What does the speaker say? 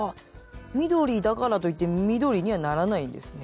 緑だからといって緑にはならないんですね。